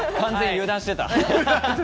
油断してた。